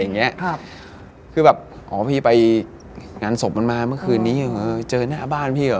อะไรแบบนี้คือแบบพี่ไปงานสมแล้วมาเมื่อคืนนี้เราเจ้าหน้าบ้านพี่